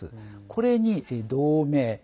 これに同盟。